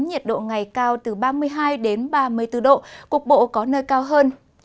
nhiệt độ ngày cao từ ba mươi hai đến ba mươi bốn độ cục bộ có nơi cao hơn